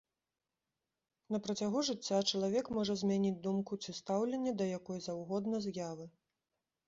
На працягу жыцця чалавек можа змяніць думку ці стаўленне да якой заўгодна з'явы.